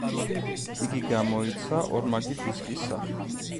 იგი გამოიცა ორმაგი დისკის სახით.